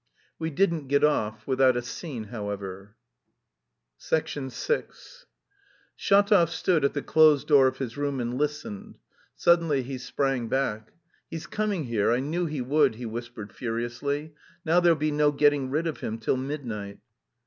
We didn't get off without a scene, however. VI Shatov stood at the closed door of his room and listened; suddenly he sprang back. "He's coming here, I knew he would," he whispered furiously. "Now there'll be no getting rid of him till midnight."